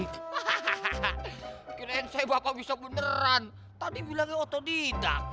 hahaha kira kira saya bakal bisa beneran tadi bilangnya otodidak